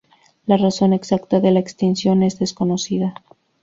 La razón exacta de la extinción es desconocida.